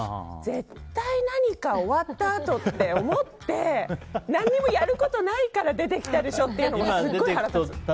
絶対何か終わったあとって思って何もやることないから出てきたでしょっていうのがすごい腹立つ。